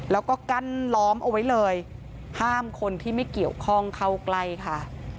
แล้วก็กั้นล้อมเอาไว้เลยห้ามคนที่ไม่เกี่ยวข้องเข้าใกล้ค่ะ